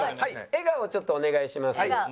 笑顔をちょっとお願いします。